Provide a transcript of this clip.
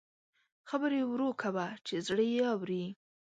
خبرې ورو کوه چې زړه یې اوري